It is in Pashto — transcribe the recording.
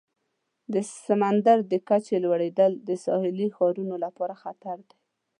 د سمندر د کچې لوړیدل د ساحلي ښارونو لپاره خطر دی.